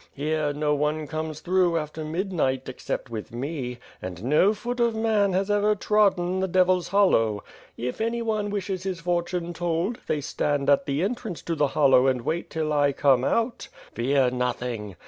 Here, no one comes through after midnight, except with me; and no foot of man has ever trodden the Devils' Hollow. If anyone wishes his fortune told, they stand at the entrance to the Hollow and wait till I come out. Fear nothing!